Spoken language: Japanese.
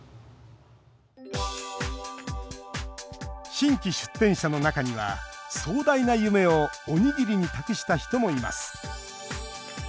新規出店者の中には壮大な夢をおにぎりに託した人もいます